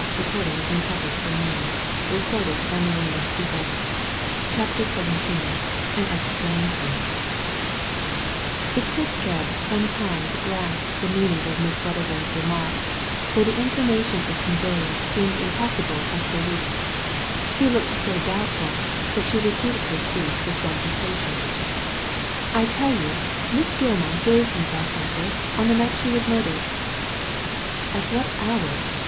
Digitized by Google CHAPTER XVII AN EXPLANATION It took Gebb some time to grasp the meaning of Miss Wedderburn's remarks, for the information it conveyed seemed impossible of belief. He looked so doubtful, that she repeated her speech with some impatience. " I tell you Miss Gilmar gave me that necklace on the night she was murdered." " At what hour